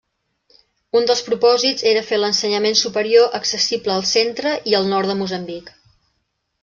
Un dels propòsits era fer l'ensenyament superior accessible al centre i el nord de Moçambic.